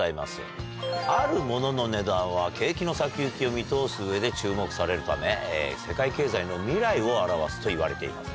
あるモノの値段は景気の先行きを見通す上で注目されるため世界経済の未来を表すといわれています。